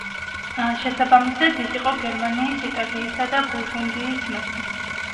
შესაბამისად, ის იყო გერმანიის, იტალიისა და ბურგუნდიის მეფე.